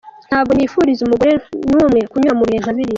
Ntabwo nifuriza umugore n’umwe kunyura mu bihe nka biriya.